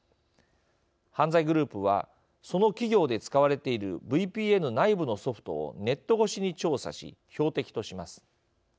犯罪グループはその企業で使われているＶＰＮ内部のソフトをネット越しに調査し標的とします。